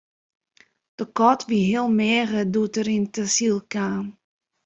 De kat wie heel meager doe't er yn it asyl kaam.